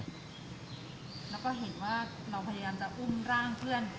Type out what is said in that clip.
แล้วก็เห็นว่าเราพยายามจะอุ้มร่างเพื่อน